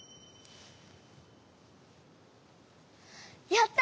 やった！